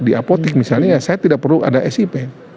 di apotek misalnya saya tidak perlu ada sip